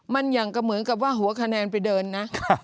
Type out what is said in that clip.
มันอย่างก็เหมือนกับว่าหัวคะแนนไปเดินนะ